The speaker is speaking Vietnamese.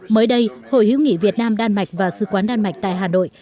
mới đây hội hữu nghị việt nam đan mạch và sư quán đan mạch tại hà nội